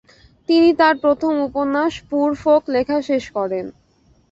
তিনি তার প্রথম উপন্যাস পুওর ফোক লেখা শেষ করেন।